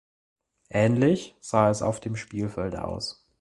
Ähnlich sah es auf dem Spielfeld aus.